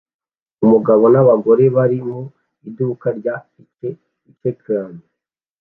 Umugabo n'abagore bari mu iduka rya ice cream